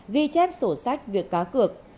ghi chép sổ sách việc cá cược